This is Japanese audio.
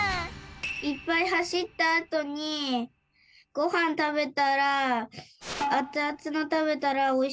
いっぱいはしったあとにごはんたべたらアツアツのたべたらおいしいとおもうよ。